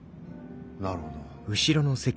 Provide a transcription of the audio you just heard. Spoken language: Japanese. なるほど。